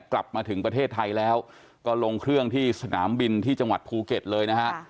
กลับมาถึงประเทศไทยแล้วก็ลงเครื่องที่สนามบินที่จังหวัดภูเก็ตเลยนะฮะ